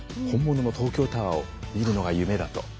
本物の東京タワーを見るのが夢だと。